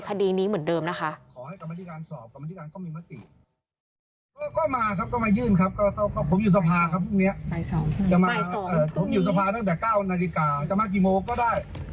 คดีนี้เหมือนเดิมนะคะ